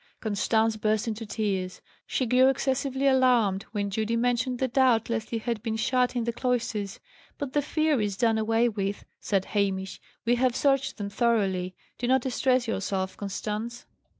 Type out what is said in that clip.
Constance burst into tears. She grew excessively alarmed, when Judy mentioned the doubt lest he had been shut in the cloisters. "But that fear is done away with," said Hamish. "We have searched them thoroughly. Do not distress yourself, Constance."